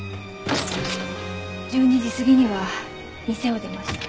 １２時過ぎには店を出ました。